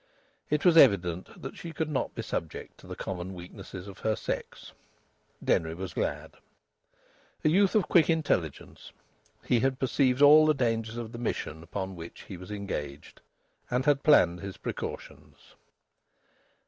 It was evident that she could not be subject to the common weaknesses of her sex. Denry was glad. A youth of quick intelligence, he had perceived all the dangers of the mission upon which he was engaged, and had planned his precautions.